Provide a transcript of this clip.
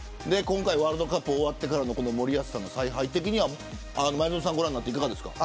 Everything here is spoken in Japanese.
ワールドカップ終わってからの森保さんの采配はご覧になっていかがですか。